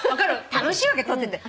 楽しいわけ撮ってて。